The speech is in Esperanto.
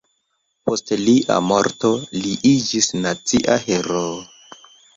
Post lia morto li iĝis nacia heroo.